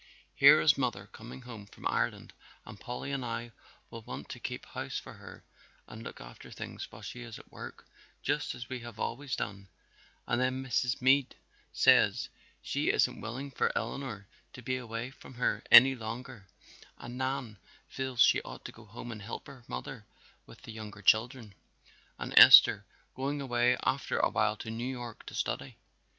Here is mother coming home from Ireland and Polly and I will want to keep house for her and look after things while she is at work just as we have always done, and then Mrs. Meade says she isn't willing for Eleanor to be away from her any longer, and Nan feels she ought to go home and help her mother with the younger children, and Esther going away after a while to New York to study.